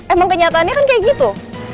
emang kenyataannya kan kayak gitu